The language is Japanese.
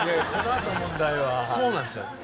そうなんですよ。